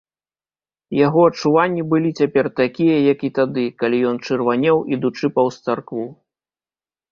Яго адчуванні былі цяпер такія, як і тады, калі ён чырванеў, ідучы паўз царкву.